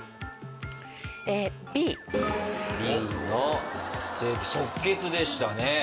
Ｂのステーキ即決でしたね。